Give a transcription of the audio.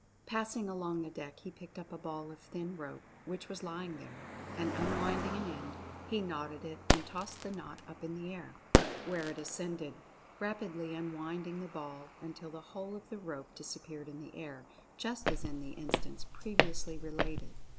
Passing along the deck he picked up a ball of thin rope which was lying there, and, unwinding an end, he knotted it and tossed the knot up in the air, where it ascended, rapidly unwinding the ball, until the whole of the rope disappeared in the air, just as in the in stance previously related.